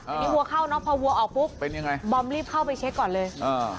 อันนี้วัวเข้าเนอะพอวัวออกปุ๊บเป็นยังไงบอมรีบเข้าไปเช็คก่อนเลยอ่า